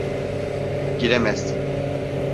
Giremezsin.